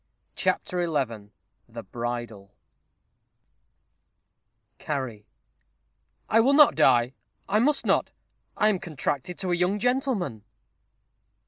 CHAPTER XI THE BRIDAL Cari. I will not die; I must not. I am contracted To a young gentleman.